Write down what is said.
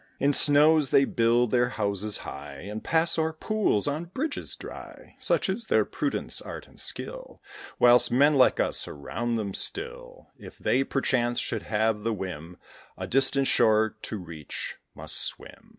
In snows they build their houses high, And pass o'er pools on bridges dry: Such is their prudence, art, and skill; Whilst men like us around them, still, If they, perchance, should have the whim A distant shore to reach, must swim.